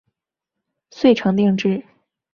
遂成定制。